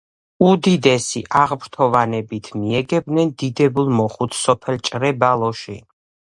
უდიდესი აღფრთოვანებით მიეგებნენ დიდებულ მოხუცს სოფელ ჭრებალოში